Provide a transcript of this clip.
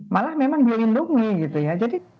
malah memang dilindungi gitu ya jadi